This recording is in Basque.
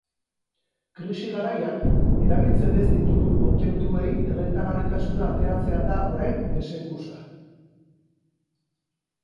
Krisi garaian, erabiltzen ez ditugun objektuei errentagarritasuna ateratzea da orain desenkusa.